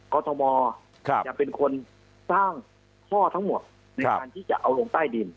กรทมจะเป็นคนสร้างข้อทั้งหมดในการที่จะเอาลงใต้ดิน